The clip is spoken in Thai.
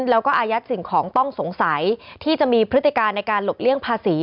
แล้วก็อายัดสิ่งของต้องสงสัยที่จะมีพฤติการในการหลบเลี่ยงภาษี